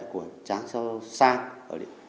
của trang sơ sang